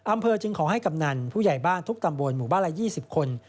อำเภอจึงขอให้กำนันผู้ใหญ่บ้านทุกตำบลหมู่บ้านละ๒๐คน